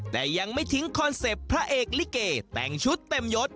แต่ยังไม่ทิ้งคอนเซ็ปต์พระเอกลิเกแต่งชุดเต็มยศ